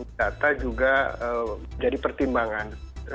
data juga jadi pertimbangan